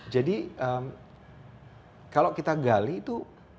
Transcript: jadi kalau kita gali itu